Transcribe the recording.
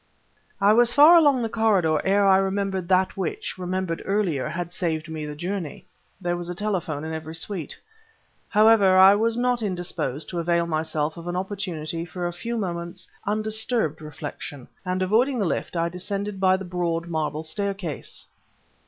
I was far along the corridor ere I remembered that which, remembered earlier, had saved me the journey. There was a telephone in every suite. However, I was not indisposed to avail myself of an opportunity for a few moments' undisturbed reflection, and, avoiding the lift, I descended by the broad, marble staircase.